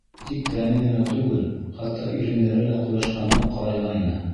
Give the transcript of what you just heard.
Тик тәне генә түгел, хатта ирендәре лә ҡояшҡа ныҡ ҡарайғайны.